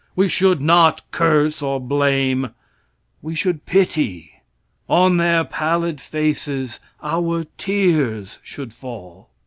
We should not curse or blame we should pity. On their pallid faces our tears should fall.